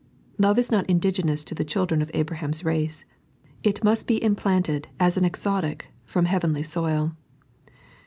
Love is not indigenous to the children of Adam's race; it must be implanted as an exotic from heavenly soil.